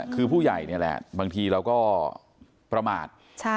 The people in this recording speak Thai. คือผู้ใหญ่นี่แหละบางทีเราก็ประมาท